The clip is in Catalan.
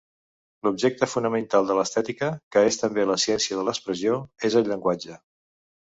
L'objecte fonamental de l'estètica —que és també la ciència de l'expressió— és el llenguatge.